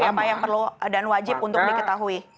apa yang perlu dan wajib untuk diketahui